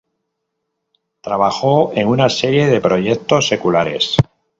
Trabajó en una serie de proyectos seculares.